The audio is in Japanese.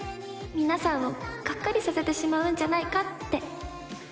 皆さんをがっかりさせてしまうんじゃないかって。